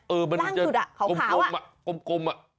เออมันจะกลมอ่ะกลมอ่ะล่างจุดขาวอ่ะ